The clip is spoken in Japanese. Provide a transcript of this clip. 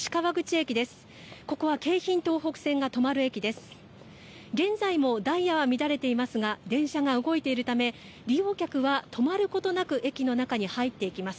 現在もダイヤは乱れていますが電車が動いているため利用客は止まることなく駅の中に入っていきます。